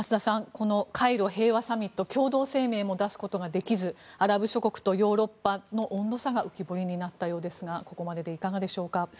このカイロ平和サミットは共同声明も出すことができずアラブ諸国とヨーロッパの温度差が浮き彫りになったようですがここまででいかがでしょうか？